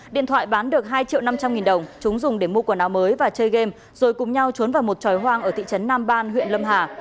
điện thoại bán được hai triệu năm trăm linh nghìn đồng chúng dùng để mua quần áo mới và chơi game rồi cùng nhau trốn vào một tròi hoang ở thị trấn nam ban huyện lâm hà